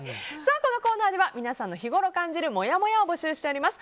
このコーナーでは皆さんの日ごろ感じるもやもやを募集しております。